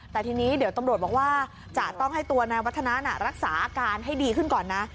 แต่ทีนี้เดี๋ยวตำรวจบอกว่าจะต้องให้ตัวนายวัฒนารักษาอาการให้ดีขึ้นก่อนนะ